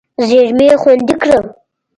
زېرمې خوندي کړه.